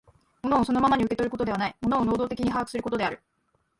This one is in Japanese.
物をそのままに受け取ることではない、物を能働的に把握することである。